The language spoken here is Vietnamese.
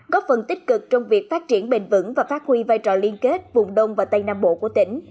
góp phần tích cực trong việc phát triển bền vững và phát huy vai trò liên kết vùng đông và tây nam bộ của tỉnh